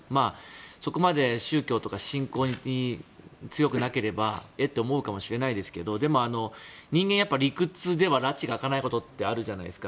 そこまで宗教とか信仰に強くなければえっと思うかもしれないですが人間、理屈ではらちが明かないことってあるじゃないですか。